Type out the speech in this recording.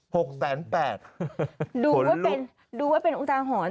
หกแสนแปดดูว่าเป็นดูว่าเป็นอุทธาหรณ์